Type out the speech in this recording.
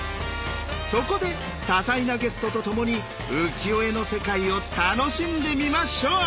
そこで多彩なゲストとともに浮世絵の世界を楽しんでみましょう！